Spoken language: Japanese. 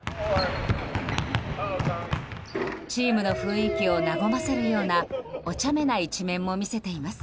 チームの雰囲気を和ませるようなお茶目な一面も見せています。